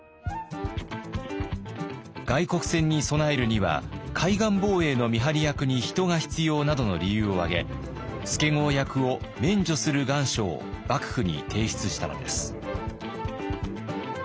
外国船に備えるには海岸防衛の見張り役に人が必要などの理由を挙げ助郷役を免除する願書を幕府に提出したのです。